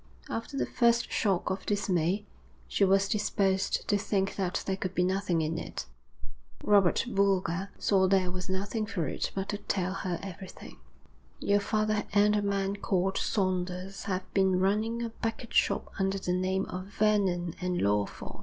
After the first shock of dismay she was disposed to think that there could be nothing in it. Robert Boulger saw there was nothing for it but to tell her everything. 'Your father and a man called Saunders have been running a bucketshop under the name of Vernon and Lawford.